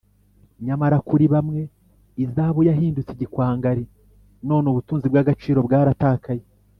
nyamara kuri bamwe, izahabu yahindutse igikwangari none ubutunzi bw’agaciro bwaratakaye